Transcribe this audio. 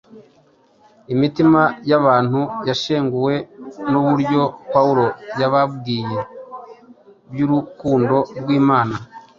Imitima y’abantu yashenguwe n’uburyo Pawulo yababwiye iby’urukundo rw’Imana